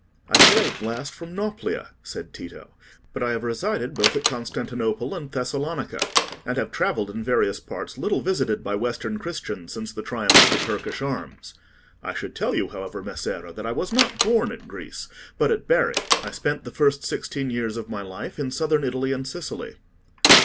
"I sailed last from Nauplia," said Tito; "but I have resided both at Constantinople and Thessalonica, and have travelled in various parts little visited by Western Christians since the triumph of the Turkish arms. I should tell you, however, Messere, that I was not born in Greece, but at Bari. I spent the first sixteen years of my life in Southern Italy and Sicily."